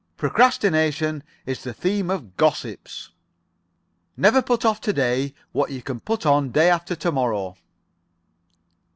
"Procrastination is the theme of gossips." "Never put off to day what you can put on day after to morrow."